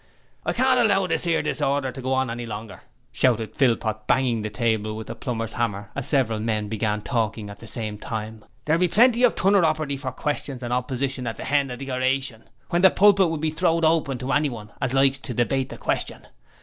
'I can't allow this 'ere disorder to go on no longer,' shouted Philpot, banging the table with the plumber's hammer as several men began talking at the same time. 'There will be plenty of tuneropperty for questions and opposition at the hend of the horation, when the pulpit will be throwed open to anyone as likes to debate the question.